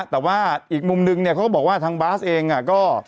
แต่ว่าอีกมุมนึงเนี่ยเขาก็บอกว่าทางบาสเองก็